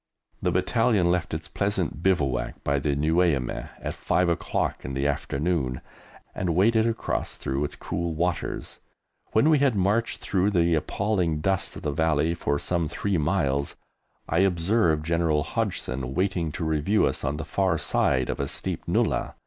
The Battalion left its pleasant bivouac by the Nueiameh at 5 o'clock in the afternoon, and waded across through its cool waters; when we had marched through the appalling dust of the Valley for some three miles, I observed General Hodgson waiting to review us on the far side of a steep nullah.